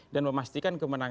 yang paling berpengaruh